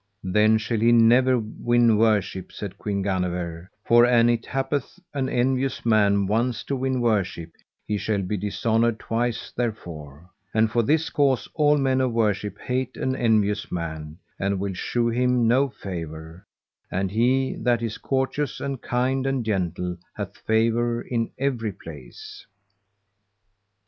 Then shall he never win worship, said Queen Guenever, for an it happeth an envious man once to win worship he shall be dishonoured twice therefore; and for this cause all men of worship hate an envious man, and will shew him no favour, and he that is courteous, and kind, and gentle, hath favour in every place.